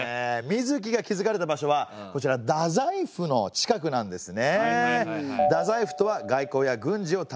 水城が築かれた場所はこちら大宰府の近くなんですね。